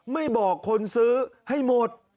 ไม่บอกคนซื้อให้หมด